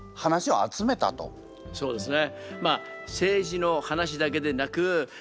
そうですね。